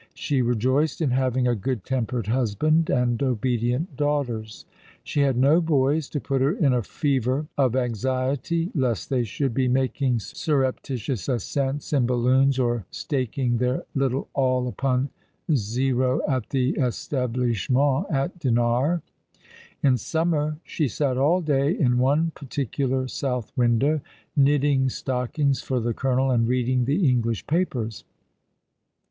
She rejoiced in having a good tempered husband and obedient daughters. She had no boys to put her in a fever of anxiety lest they should be making surreptitious ascents in balloons or staking their little all upon Zero at the " Etablissement " at Dinard. In summer she sat all day in one particular south window, knitting stockings for the colonel and reading the English papers.